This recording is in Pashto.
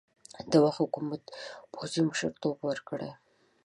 د وخت حکومت پوځي مشرتوب ورکړي.